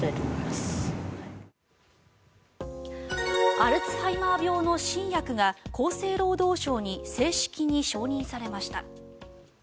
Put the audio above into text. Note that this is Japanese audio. アルツハイマー病の新薬が厚生労働省に正式に承認されました。